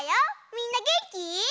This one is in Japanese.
みんなげんき？